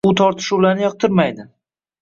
U tortishuvlarni yoqtirmaydi.